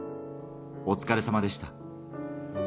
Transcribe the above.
お疲れさまでした。